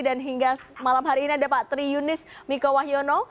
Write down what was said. dan hingga malam hari ini ada pak tri yunis miko wahyono